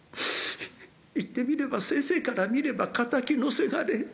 言ってみれば先生から見れば敵の伜。